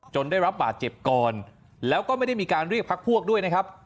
ได้รับบาดเจ็บก่อนแล้วก็ไม่ได้มีการเรียกพักพวกด้วยนะครับ